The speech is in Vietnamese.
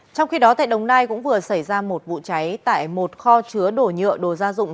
trong khi đó tại đồng nai cũng vừa xảy ra một vụ cháy tại một kho chứa đổ nhựa đồ gia dụng